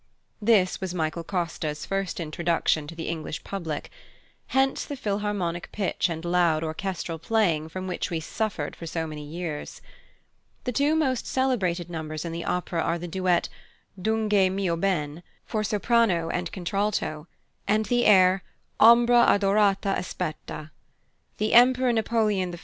This was Michael Costa's first introduction to the English public. Hence the Philharmonic pitch and loud orchestral playing from which we suffered for so many years. The two most celebrated numbers in the opera are the duet "Dunque mio ben" for soprano and contralto, and the air "Ombra adorata aspetta." The Emperor Napoleon I.